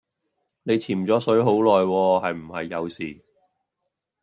你潛左水好耐喎，係唔係有事